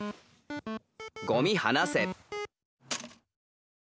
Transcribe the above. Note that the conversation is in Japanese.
「ゴミはなせ」。